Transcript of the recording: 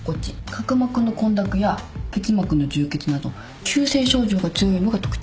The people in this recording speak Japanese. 角膜の混濁や結膜の充血など急性症状が強いのが特徴。